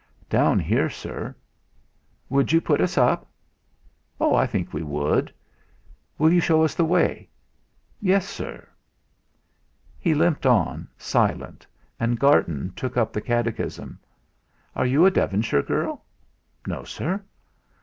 "Down here, sir." "Would you put us up?" "Oh! I think we would." "Will you show us the way?" "Yes, Sir." He limped on, silent, and Garton took up the catechism. "Are you a Devonshire girl?" "No, Sir."